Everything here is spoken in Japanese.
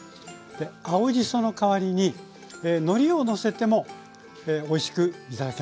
青じその代わりにのりをのせてもおいしく頂けます。